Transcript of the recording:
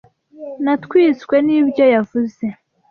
Natwitswe nibyo yavuze.